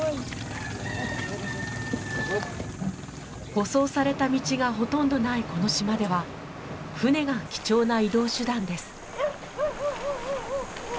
舗装された道がほとんどないこの島では船が貴重な移動手段です。